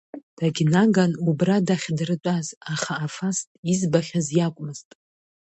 Дагьнаган убра дахьдыртәаз, аха, аф аст, избахьаз иакәмызт…